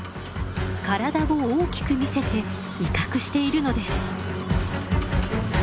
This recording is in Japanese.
体を大きく見せて威嚇しているのです。